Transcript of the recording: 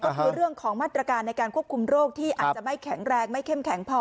ก็คือเรื่องของมาตรการในการควบคุมโรคที่อาจจะไม่แข็งแรงไม่เข้มแข็งพอ